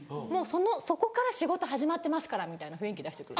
そこから仕事始まってますからみたいな雰囲気出して来る。